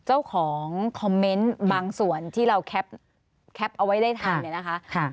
เจ้าของคอมเมนต์บางส่วนที่เราแคปเอาไว้ได้ทันเนี่ยนะคะ